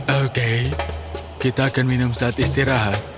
oke kita akan minum saat istirahat